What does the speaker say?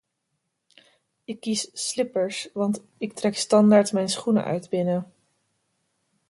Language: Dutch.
Ik kies slippers, want ik trek standaard mijn schoenen uit binnen.